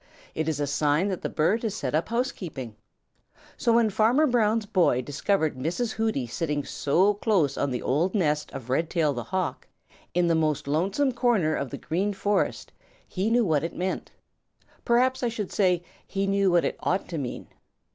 It is a sign that that bird has set up housekeeping. So when Farmer Brown's boy discovered Mrs. Hooty sitting so close on the old nest of Redtail the Hawk, in the most lonesome corner of the Green Forest, he knew what it meant. Perhaps I should say that he knew what it ought to mean.